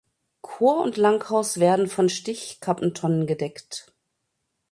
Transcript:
Chor und Langhaus werden von Stichkappentonnen gedeckt.